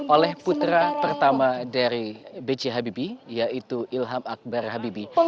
oleh putra pertama dari b j habibie yaitu ilham akbar habibi